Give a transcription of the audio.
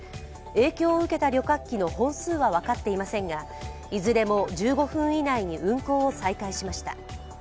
影響を受けた旅客機の本数は分かっていませんが、いずれも１５分以内に運航を再開しました。